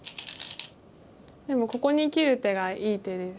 でもここに切る手がいい手です。